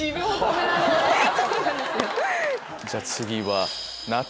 じゃあ次は。